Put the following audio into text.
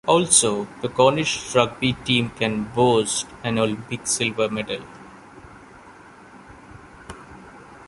Also, the Cornish rugby team can boast an Olympic silver medal.